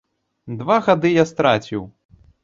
Два гады я страціў.